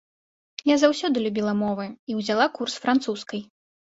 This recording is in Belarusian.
Я заўсёды любіла мовы і ўзяла курс французскай.